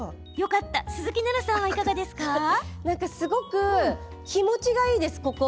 私はすごく気持ちがいいです。